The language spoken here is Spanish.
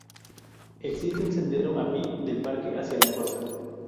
Existe un sendero a pie del parque hacia la costa.